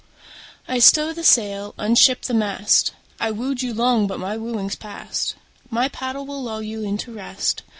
I stow the sail, unship the mast: I wooed you long but my wooing's past; My paddle will lull you into rest.